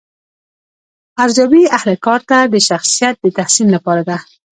ارزیابي اهل کار ته د شخصیت د تحسین لپاره ده.